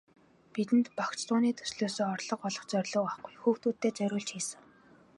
Бидэнд багц дууны төслөөсөө орлого олох зорилго байхгүй, хүүхдүүддээ зориулж хийсэн.